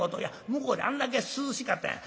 向こうであんだけ涼しかったんや。